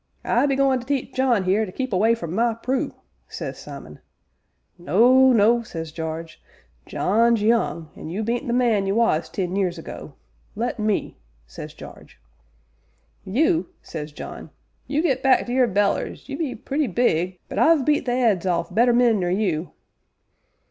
'I be goin' to teach John 'ere to keep away from my Prue,' says Simon. 'No, no,' says Jarge, 'John's young, an' you bean't the man you was ten years ago let me,' says Jarge. 'You?' says John, 'you get back to your bellers you be purty big, but I've beat the 'eads off better men nor you!'